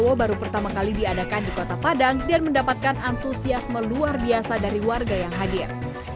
jokowi baru pertama kali diadakan di kota padang dan mendapatkan antusiasme luar biasa dari warga yang hadir